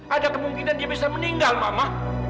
ada kemungkinan dia bisa meninggal mama